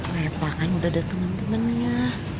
lepakan udah ada temen temennya